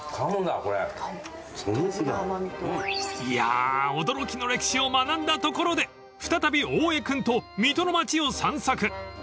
［いや驚きの歴史を学んだところで再び大江君と水戸の町を散策］